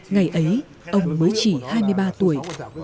ngày ấy ông mới chỉ hai mươi ba tuổi